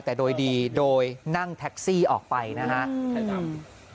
แต่โดยดีโดยนั่งแท็กซี่ออกไปนะครับ